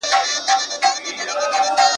تا له تخم څخه جوړکړله تارونه ..